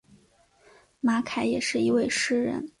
马凯也是一位诗人。